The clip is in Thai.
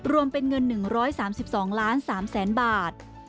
รวมเป็นเงิน๑๓๒ล้าน๓แสนบาท